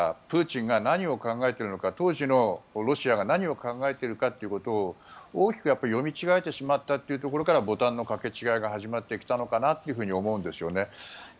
プーチンが何を考えているのか当時のロシアが何を考えているのかを大きく読み違えてしまったというところからボタンの掛け違えが始まってきたのかなと思うんですよね。